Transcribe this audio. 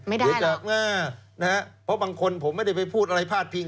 เสียดาบหน้านะฮะเพราะบางคนผมไม่ได้ไปพูดอะไรพาดพิง